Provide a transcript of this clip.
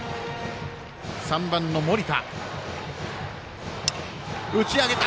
３番の森田。